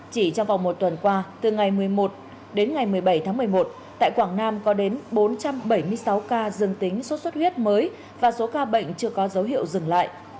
chỉ trong vòng một tuần qua từ ngày một mươi một đến ngày một mươi bảy tháng một mươi một tại quảng nam có đến bốn trăm bảy mươi sáu ca dương tính sốt xuất huyết mới và số ca bệnh chưa có dấu hiệu dừng lại